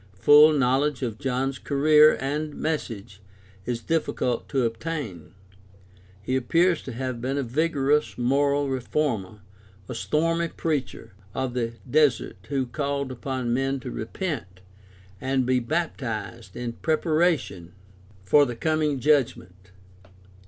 Full knowledge of John's career and message is difficult to obtain. He appears to have been a vigorous moral reformer, a stormy preacher of the desert, who called upon men to repent and be baptized in preparation for the coming judgment.